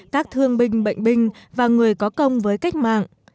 các thương binh bệnh binh và người có công với cách mạng